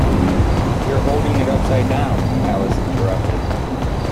‘You’re holding it upside down!’ Alice interrupted.